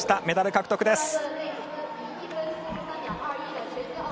メダル獲得です。